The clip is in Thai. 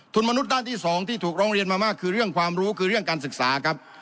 คุณมนุษย์ด้านที่๒ที่ถูกร้องเรียนมามากคือเรื่องความรู้คือเรื่องการศึกษาครับ